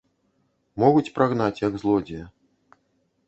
Могуць прагнаць як злодзея.